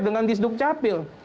dengan disduk capil